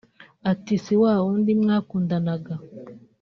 ati “si wa wundi mwakundanaga